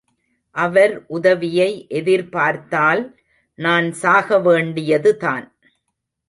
அவர் உதவியை எதிர்பார்த்தால் நான் சாகவேண்டியதுதான்.